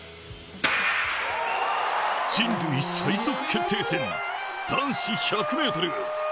人類最速決定戦、男子１００ｍ。